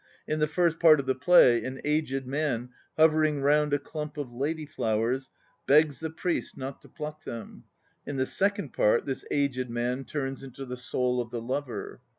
In the first art of the play an aged man hovering round a clump of lady flowers s the priest not to pluck them. In the second part this aged man turns into the soul of the lover.